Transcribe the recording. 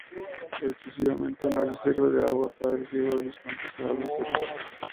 O exclusivamente una reserva de agua para el riego de los campos arroceros.